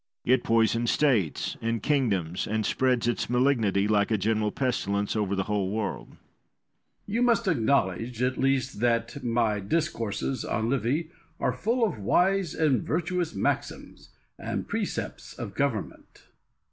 It poisons states and kingdoms, and spreads its malignity, like a general pestilence, over the whole world. Machiavel. You must acknowledge at least that my discourses on Livy are full of wise and virtuous maxims and precepts of government.